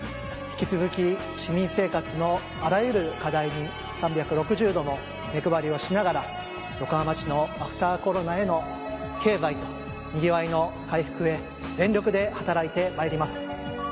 引き続き市民生活のあらゆる課題に３６０度の目配りをしながら横浜市のアフターコロナへの経済と賑わいの回復へ全力で働いてまいります。